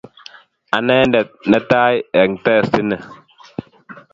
Anendet nadai eng testi ni.